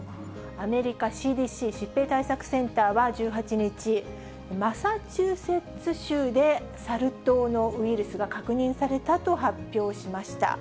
アメリカ、ＣＤＣ・疾病対策センターは１８日、マサチューセッツ州でサル痘のウイルスが確認されたと発表しました。